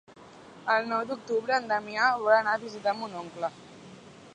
El nou d'octubre en Damià vol anar a visitar mon oncle.